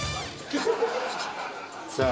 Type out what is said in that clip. さあ。